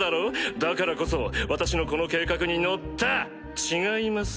だからこそ私のこの計画に乗った！